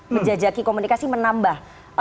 menjajaki komunikasi menambah